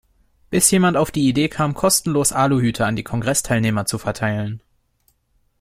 Bis jemand auf die Idee kam, kostenlos Aluhüte an die Kongressteilnehmer zu verteilen.